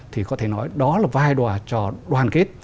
thì có thể nói đó là vai đòi cho đoàn kết